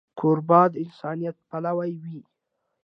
کوربه د انسانیت پلوی وي.